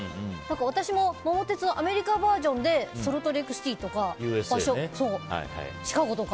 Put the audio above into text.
私も「桃鉄」のアメリカバージョンでソルトレークシティーとかシカゴとか。